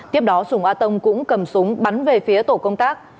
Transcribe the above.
tiếp đó sùng a tông cũng cầm súng bắn về phía tổ công tác